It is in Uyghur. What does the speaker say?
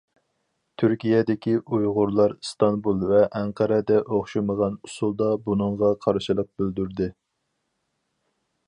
تۈركىيەدىكى ئۇيغۇرلار ئىستانبۇل ۋە ئەنقەرەدە ئوخشىمىغان ئۇسۇلدا بۇنىڭغا قارشىلىق بىلدۈردى.